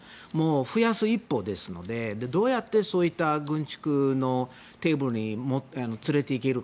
増やす一方ですのでどうやってそういう軍縮のテーブルに連れていけるか。